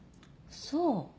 そう。